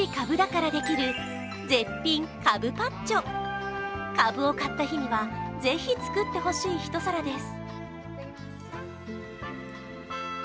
かぶを買った日にはぜひ作ってほしい一皿です。